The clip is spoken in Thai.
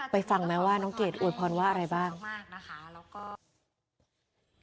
ไปฟังไหมว่าน้องเกดอวยพรว่าอะไรบ้าง